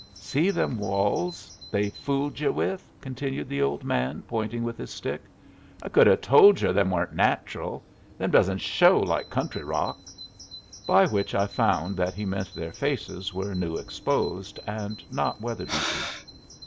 "See them walls they fooled yer with!" continued the old man, pointing with his stick. "I could have told yer them wasn't natural. Them doesn't show like country rock;" by which I found that he meant their faces were new exposed and not weather beaten.